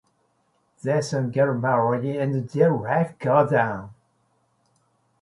They soon get married and their life goes on.